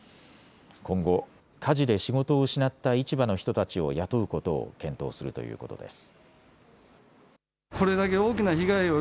今後、火事で仕事を失った市場の人たちを雇うことを検討するということです。